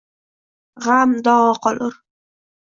G’am, dog’i qolur.